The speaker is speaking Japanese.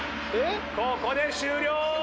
ここで終了！